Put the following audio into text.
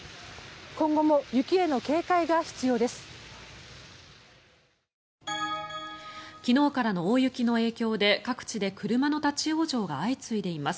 今後も雪への警戒が必要です。